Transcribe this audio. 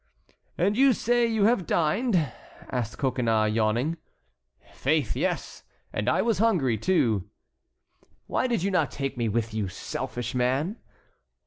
"And you say you have dined?" asked Coconnas, yawning. "Faith, yes, and I was hungry too." "Why did you not take me with you, selfish man?"